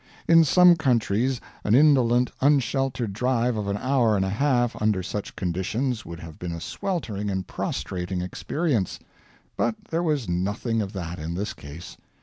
In some countries an indolent unsheltered drive of an hour and a half under such conditions would have been a sweltering and prostrating experience; but there was nothing of that in this case.